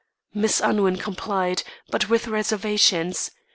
Miss Unwin complied, but with reservations.